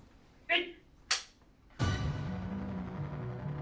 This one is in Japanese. はい。